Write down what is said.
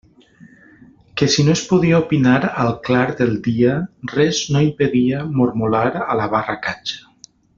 Que si no es podia opinar al clar del dia, res no impedia mormolar a la barra catxa.